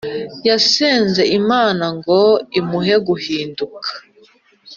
yasenze Imana ngo imuhe guhinduka